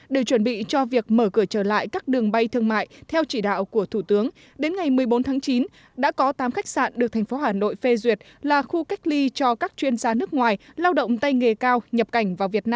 để chuẩn bị cho việc mở cửa trở lại các đường bay thương mại theo chỉ đạo của thủ tướng đến ngày một mươi bốn tháng chín đã có tám khách sạn được thành phố hà nội phê duyệt là khu cách ly cho các chuyên gia nước ngoài lao động tay nghề cao nhập cảnh vào việt nam